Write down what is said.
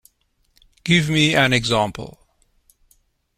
Give me an example